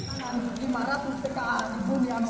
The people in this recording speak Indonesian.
dan lima ratus tka di bumi